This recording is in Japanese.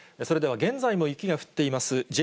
それでは、現在も雪が降っています、